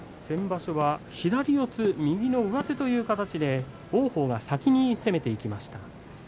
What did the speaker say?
先場所は左四つ右の上手という形で王鵬が先に攻めていきました。